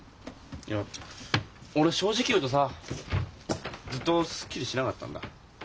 いや俺正直言うとさずっとすっきりしなかったんだ。